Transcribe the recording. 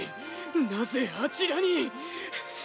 なぜあちらにくっ。